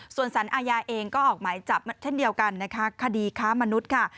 ส่วนสารอาญาเองก็ออกหมายจับเช่นเดียวกันนะคะคดีค้ามนุษย์ค่ะ